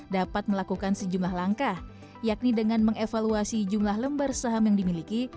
dapat melakukan sejumlah langkah yakni dengan mengevaluasi jumlah lembar saham yang dimiliki